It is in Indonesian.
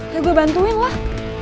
ya gue bantuin lah